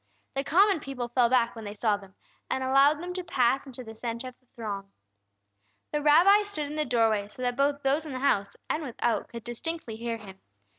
The common people fell back when they saw them, and allowed them to pass into the centre of the throng. The Rabbi stood in the doorway, so that both those in the house and without could distinctly hear Him.